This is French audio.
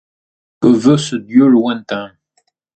Que veut ce dieu lointain ?.